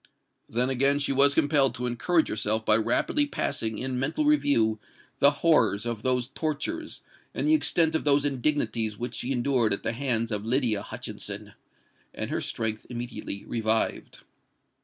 Then again was she compelled to encourage herself by rapidly passing in mental review the horrors of those tortures and the extent of those indignities which she endured at the hands of Lydia Hutchinson!—and her strength immediately revived.